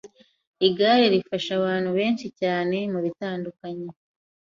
Igare rifasha abantu benshi cyane mu bitandukanye